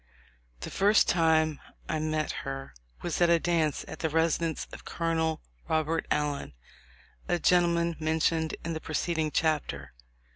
The first time I met her was at a dance at the residence of Col. Robert Allen, a gentleman mentioned in the preceding chapter.